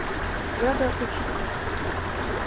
— йодо учитель.